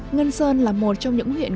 ngân sơn là một trong những huyện